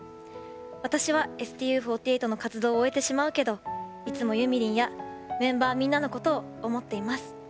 私はＳＴＵ４８の活動を終えてしまうけどいつもゆみりんやメンバーみんなのことを思っています。